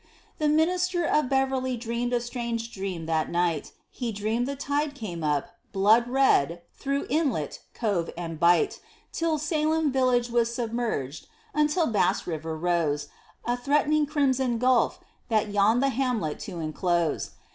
The minister of Beverly dreamed a strange dream that night: He dreamed the tide came up, blood red, through inlet, cove, and bight, Till Salem village was submerged; until Bass River rose, A threatening crimson gulf, that yawned the hamlet to inclose.